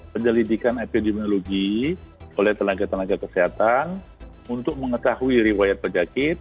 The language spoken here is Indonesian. penyelidikan epidemiologi oleh tenaga tenaga kesehatan untuk mengetahui riwayat penyakit